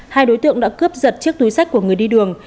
hai đối tượng đã cướp giật chiếc túi sách của người đi đường